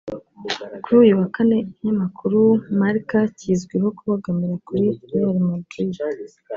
Kuri uyu wa Kane ikinyamakuru Marca kizwi ho kubogamira kuri Real Madrid